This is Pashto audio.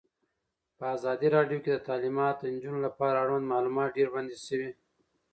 په ازادي راډیو کې د تعلیمات د نجونو لپاره اړوند معلومات ډېر وړاندې شوي.